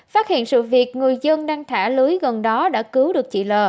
phát hiện sự việc người dân đang thả lưới gần đó đã cứu được chị l